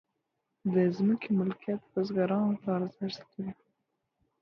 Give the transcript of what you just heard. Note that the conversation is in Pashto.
د ځمکي ملکیت بزګرانو ته ارزښت لري.